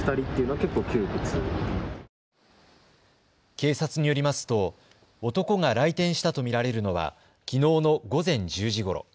警察によりますと男が来店したと見られるのはきのうの午前１０時ごろ。